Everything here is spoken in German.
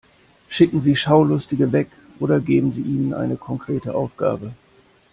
Schicken Sie Schaulustige weg oder geben Sie ihnen eine konkrete Aufgabe.